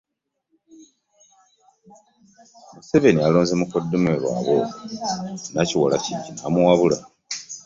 Museveni alonze mukoddomi we Rwabwogo Nakiwala Kiyingi okumuwabula.